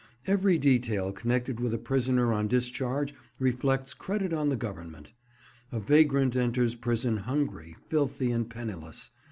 Every detail connected with a prisoner on discharge reflects credit on the Government. A vagrant enters prison hungry, filthy, and penniless.